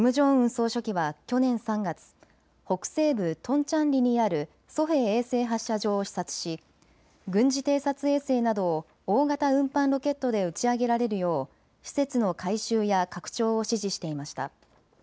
総書記は去年３月、北西部トンチャンリにあるソヘ衛星発射場を視察し軍事偵察衛星などを大型運搬ロケットで打ち上げられるよう施設の改修や拡張を指示していました。